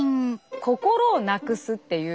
心をなくすっていう。